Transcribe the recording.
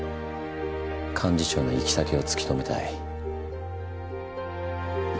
幹事長の行き先を突き止めたい。